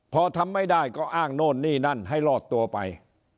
พอทำไม่ได้ก็อ้างโน่นนี่นั่นให้รอดตัวไป